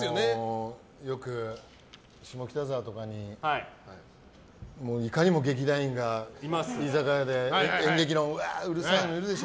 よく下北沢とかにいかにも劇団員が居酒屋で演劇の、うるさいのいるでしょ。